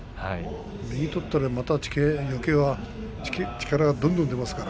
右取ったら、よけいに力がどんどん出ますから。